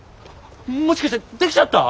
もしかしてできちゃった？